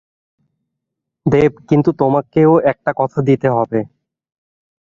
দেব, কিন্তু তোমাকেও একটা কথা দিতে হবে।